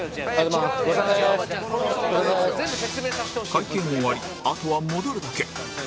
会計も終わりあとは戻るだけ